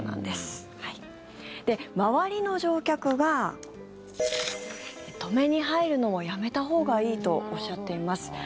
で、周りの乗客が止めに入るのもやめたほうがいいとおっしゃっています。